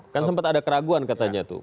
kan sempat ada keraguan katanya tuh